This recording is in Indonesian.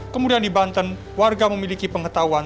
kemudian di banten warga memiliki pengetahuan